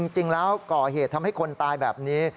จริงแล้วก่อเหตุทำให้คนตายแบบนี้